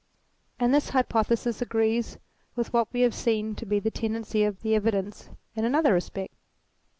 And this hypothesis agrees with what we have seen to be the tendency of the evidences in another respect.